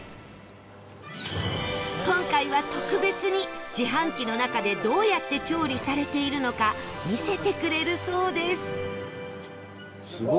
今回は特別に自販機の中でどうやって調理されているのか見せてくれるそうです